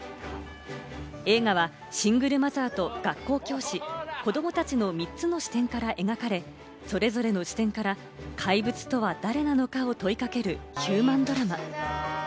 映画はシングルマザーと学校教師、子供たちの３つの視点から描かれ、それぞれの視点から怪物とは誰なのかを問いかけるヒューマンドラマ。